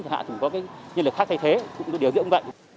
thì hạ chúng có nhân lực khác thay thế cũng đều dưỡng vậy